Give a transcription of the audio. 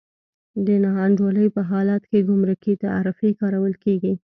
د نا انډولۍ په حالت کې ګمرکي تعرفې کارول کېږي.